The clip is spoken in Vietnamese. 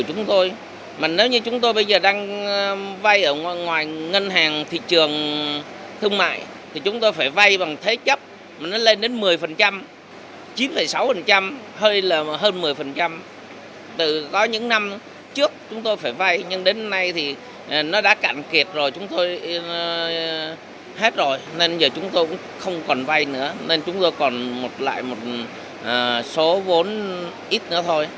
chúng tôi hết rồi nên giờ chúng tôi cũng không còn vay nữa nên chúng tôi còn lại một số vốn ít nữa thôi